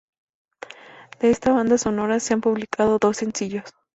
De esta banda sonora se han publicado dos sencillos.